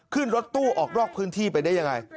ขึ้นรถตู้ออกนอกพื้นที่ไปได้ยังไง